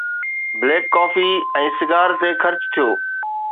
Black coffee ۽ cigar تي خرچ ٿيو.